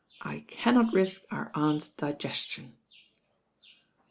I can not nsk our aunt's digestion."